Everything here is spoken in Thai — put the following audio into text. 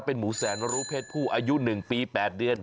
เป็นหมูแสนรู้เพศผู้อายุ๑ปี๘เดือน